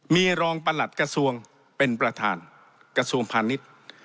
มีรองประหลัดกระทรวงเป็นประธานกระทรวงพาณิชย์